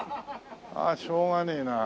ああしょうがねえなあ。